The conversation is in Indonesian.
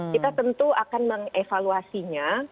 kita tentu akan mengevaluasinya